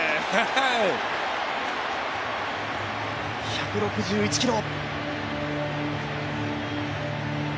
１６１キロ。